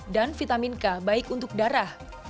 dan vitamin k baik untuk darah